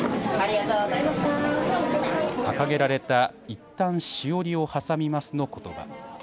掲げられたいったん、しおりを挟みますのことば。